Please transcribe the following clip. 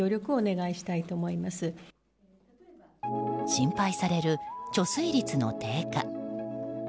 心配される貯水率の低下。